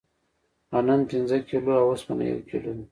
غنم پنځه کیلو او اوسپنه یو کیلو ده.